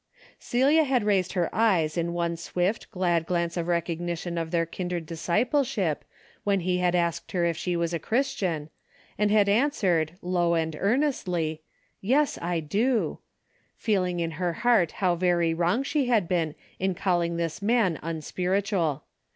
Celia had raised her eyes in one swift glad glance of recognition of their kindred disciple ship, when he asked her if she was a Christian, and had answered, low and earnestly, " Yes, I do," feeling in her heart how very wrong she had been in calling this man unspiritual.